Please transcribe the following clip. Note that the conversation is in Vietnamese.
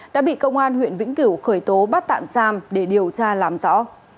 đã bị công an huyện vĩnh cửu khởi tố bắt tạm giam để điều tra làm rõ